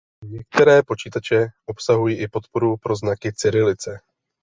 Některé počítače obsahují i podporu pro znaky cyrilice.